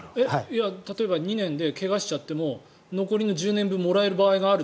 例えば２年で怪我しちゃっても残りの１０年分もらえる場合があると。